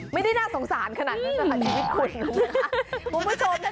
ไม่ได้น่าสงสารขนาดนั้นนะคะชีวิตคุณนะคะ